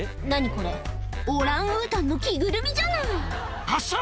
これオランウータンの着ぐるみじゃない「発射！」